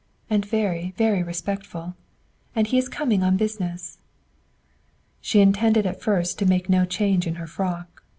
And very, very respectful. And he is coming on business." She intended at first to make no change in her frock.